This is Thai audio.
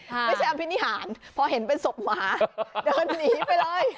ไม่ใช่อภินิหารพอเห็นเป็นศพหมาเดินหนีไปเลย